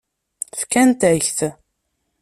Fkant-ak-t.